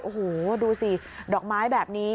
โอ้โหดูสิดอกไม้แบบนี้